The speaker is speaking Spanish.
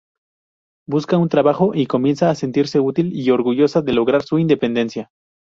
Busca un trabajo y comienza a sentirse útil y orgullosa de lograr su independencia.